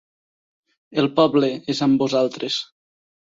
El poble és amb vosaltres.